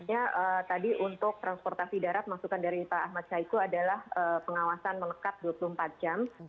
ya tadi untuk transportasi darat masukan dari pak ahmad syahiku adalah pengawasan melekat dua puluh empat jam